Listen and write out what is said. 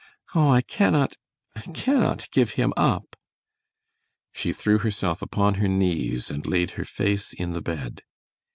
Oh, I cannot I cannot give him up!" She threw herself upon her knees and laid her face in the bed.